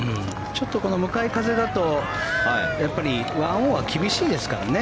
ちょっと向かい風だとやっぱり１オンは厳しいですからね。